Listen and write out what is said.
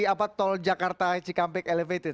apa tol jakarta cikampek elevated